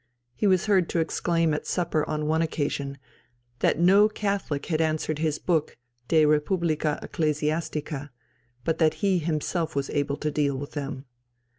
He was heard to exclaim at supper on one occasion, "That no Catholic had answered his book, De Republicâ Ecclesiasticâ, but that he himself was able to deal with them."